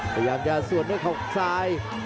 พยายามจะสวนด้วยเขาซ้าย